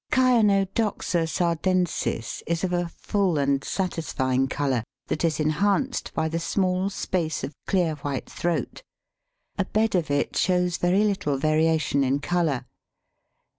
Chionodoxa sardensis is of a full and satisfying colour, that is enhanced by the small space of clear white throat. A bed of it shows very little variation in colour.